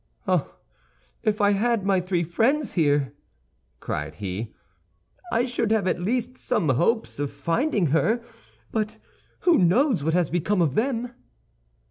"Oh, if I had my three friends here," cried he, "I should have, at least, some hopes of finding her; but who knows what has become of them?"